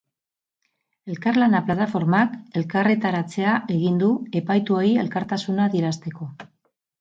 Elkarlana plataformak elkarretaratzea egin du, epaituei elkartasuna adierazteko.